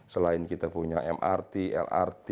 selain kita punya mrt lrt